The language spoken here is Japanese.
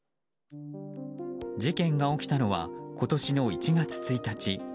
事件が起きたのは今年の１月１日。